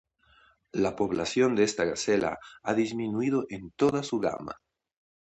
La población de esta gacela ha disminuido en toda su gama.